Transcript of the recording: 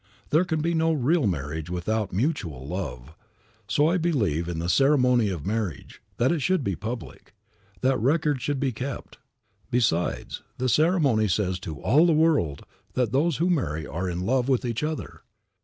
There can be no real marriage without mutual love. So I believe in the ceremony of marriage, that it should be public; that records should be kept. Besides, the ceremony says to all the world that those who marry are in love with each other.